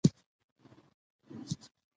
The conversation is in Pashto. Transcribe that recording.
د امريکا ټولواکمن ډونالډ ټرمپ دی.